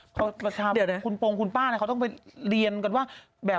พระชาวคุณโปรงคุณป๊าเขาต้องไปเรียนกันว่า